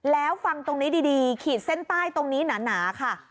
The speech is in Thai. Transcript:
แล้วฟังตรงนี้ดีขีดเส้นใต้ตรงนี้หนาค่ะ